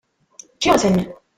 Ččiɣ-ten.